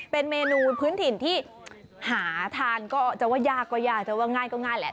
เป็นเมนูพื้นถิ่นที่หาทานก็จะว่ายากก็ยากจะว่าง่ายก็ง่ายแหละ